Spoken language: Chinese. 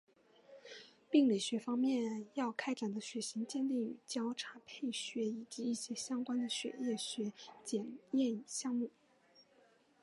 病理学方面要开展的血型鉴定与交叉配血以及一些相关的血液学检验项目。